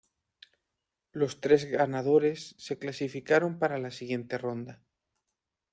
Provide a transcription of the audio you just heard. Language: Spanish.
Los tres ganadores se clasificaron para la siguiente ronda.